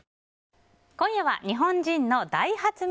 今夜は日本人の大発明